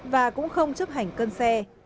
và cũng không chấp hành cân xe